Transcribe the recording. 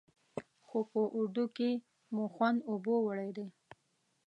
خو په اردو کې مو خوند اوبو وړی دی.